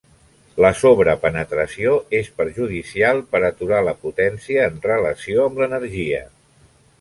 La sobrepenetració és perjudicial per aturar la potència en relació amb l'energia.